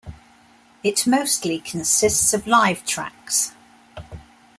It mostly consists of live tracks.